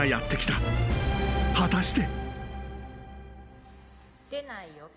［果たして］